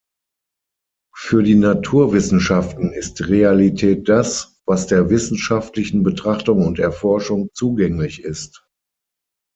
Für die Naturwissenschaften ist Realität das, was der wissenschaftlichen Betrachtung und Erforschung zugänglich ist.